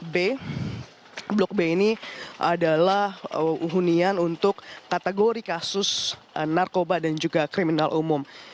blok b ini adalah hunian untuk kategori kasus narkoba dan juga kriminal umum